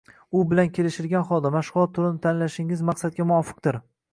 u bilan kelishgan holda, mashg‘ulot turini tanlashingiz maqsadga muvofiqdir.